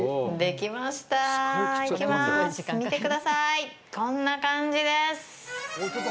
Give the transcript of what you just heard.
見てください、こんな感じです！